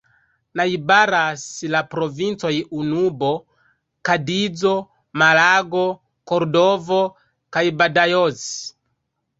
Najbaras la provincoj Onubo, Kadizo, Malago, Kordovo kaj Badajoz.